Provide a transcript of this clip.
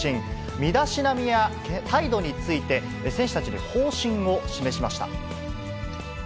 身だしなみや態度について、選手たちに方針を示しました。